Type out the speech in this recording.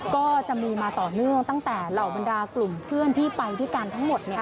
ก็จะมีมาต่อเนื่องตั้งแต่เหล่าบรรดากลุ่มเพื่อนที่ไปด้วยกันทั้งหมด